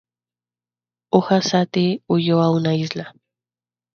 Uhha-Ziti huyó a una isla.